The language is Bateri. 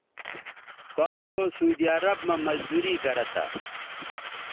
کاں لو سعودی عرب مہ مزدوری گرہ تھہ